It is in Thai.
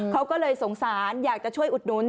เขาก็เลยสงสารอยากจะช่วยอุดหนุน